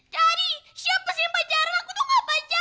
jadi siapa sih yang pacaran aku tuh gak pacaran